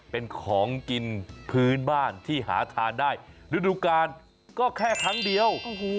เป็นของกินพื้นบ้านที่หาทานได้ฤดูกาลก็แค่ครั้งเดียว